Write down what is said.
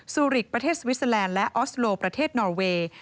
ซูริกประเทศสวิสเตอร์แลนด์และออสโลประเทศนอเวย์